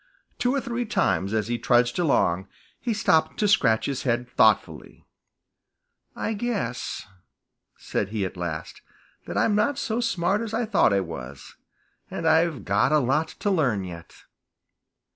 Two or three times, as he trudged along, he stopped to scratch his head thoughtfully. "I guess," said he at last, "that I'm not so smart as I thought I was, and I've got a lot to learn yet."